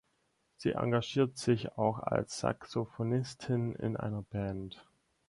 Sie engagiert sich auch als Saxophonistin in einer Band.